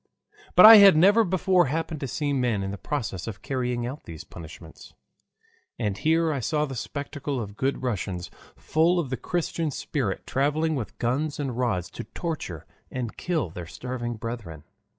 But I had never before happened to see men in the process of carrying out these punishments. And here I saw the spectacle of good Russians full of the Christian spirit traveling with guns and rods to torture and kill their starving brethren.